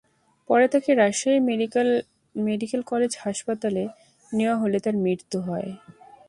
পরে তাঁকে Rajshahi medical college হাসপাতালে নেওয়া হলে তাঁর মৃত্যু হয়।